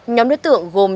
nhóm đối tượng gồm